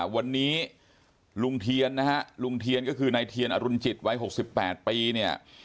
วันนี้ลุงเทียนนะฮะลุงเทียนก็คือนายเทียนอรุณจิตวัย๖๘ปีเนี่ย